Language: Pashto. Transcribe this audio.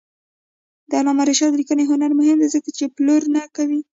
د علامه رشاد لیکنی هنر مهم دی ځکه چې پلور نه کوي.